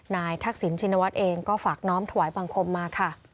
นายทักษิณชินวัตรเองก็ฝากน้ำถวายบังคมมา